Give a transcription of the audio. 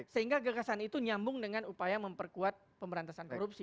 sehingga gagasan itu nyambung dengan upaya memperkuat pemberantasan korupsi